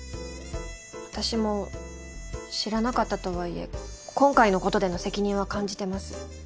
私も知らなかったとはいえ今回のことでの責任は感じてます。